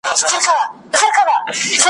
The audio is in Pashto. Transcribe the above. زه به بیا راځمه ,